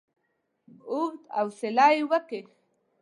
اوږد اسویلی یې وکېښ.